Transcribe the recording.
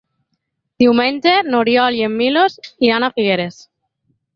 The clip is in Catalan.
Diumenge n'Oriol i en Milos iran a Figueres.